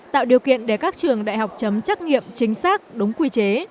tạo điều kiện để các trường đại học chấm trách nhiệm chính xác đúng quy chế